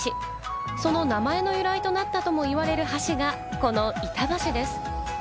その名前の由来となったともいわれる橋が、この板橋です。